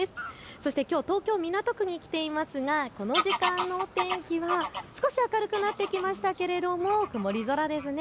そして、きょう東京港区に来ていますが、この時間のお天気は少し明るくなってきましたけれども曇り空です。